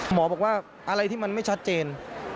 หมอบอกว่าอะไรที่มันไม่ชัดเจน